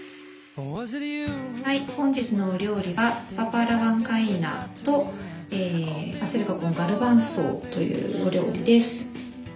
はい本日のお料理はパパ・ア・ラ・ワンカイーナとアセルガ・コン・ガルバンソというお料理です。